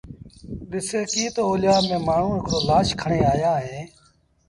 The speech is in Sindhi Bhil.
ڏسي ڪيٚ تا اوليآ ميݩ مآڻهوٚٚݩ هڪڙو لآش کڻي آيآ اهيݩ